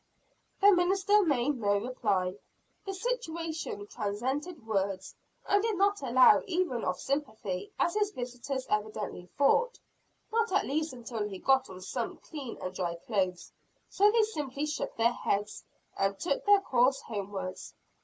The minister made no reply. The situation transcended words. And did not allow even of sympathy, as his visitors evidently thought not at least until he got on some clean and dry clothes. So they simply shook their heads, and took their course homewards.